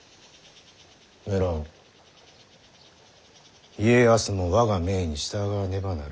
無論家康も我が命に従わねばならん。